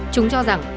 chúng cho rằng